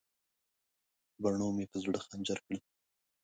باڼو مې په زړه خنجر کړل.